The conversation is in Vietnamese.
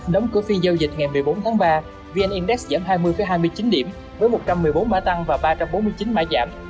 đóng cửa phiên giao dịch ngày một mươi bốn tháng ba vn index giảm hai mươi hai mươi chín điểm với một trăm một mươi bốn mã tăng và ba trăm bốn mươi chín mã giảm